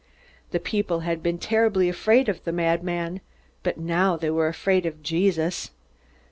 The people had been terribly afraid of the madman, but now they were afraid of Jesus.